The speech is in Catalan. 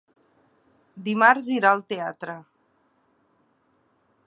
Dimarts irà al teatre.